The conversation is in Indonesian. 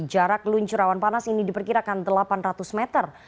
jarak luncur awan panas ini diperkirakan delapan ratus meter